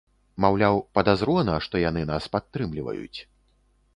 Маўляў, падазрона, што яны нас падтрымліваюць.